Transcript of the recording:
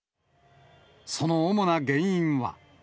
その主な原因は。